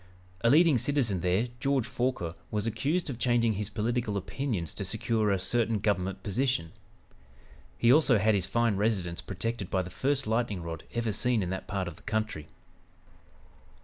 A leading citizen there, George Forquer, was accused of changing his political opinions to secure a certain government position; he also had his fine residence protected by the first lightning rod ever seen in that part of the country.